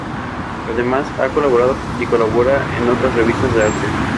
Además, ha colaborado y colabora en otras revistas de arte.